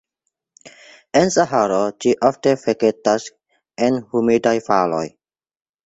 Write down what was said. En Saharo, ĝi ofte vegetas en humidaj valoj.